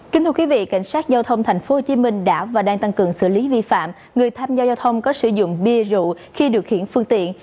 kính thưa quý vị cảnh sát giao thông tp hcm đã và đang tăng cường xử lý vi phạm người tham gia giao thông có sử dụng bia rượu khi điều khiển phương tiện